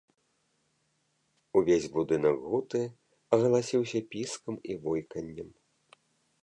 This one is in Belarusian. Увесь будынак гуты агаласіўся піскам і войканнем.